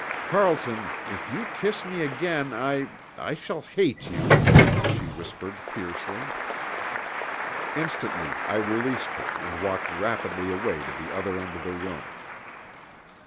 "Carlton! If you kiss me again I I shall hate you!" she whispered fiercely. Instantly I released her and walked rapidly away to the other end of the room.